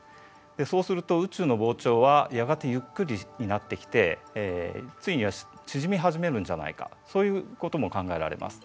そうすると宇宙の膨張はやがてゆっくりになってきてついには縮みはじめるんじゃないかそういうことも考えられます。